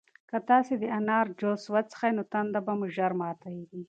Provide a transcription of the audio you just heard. که تاسي د انار جوس وڅښئ نو تنده مو ژر ماتیږي.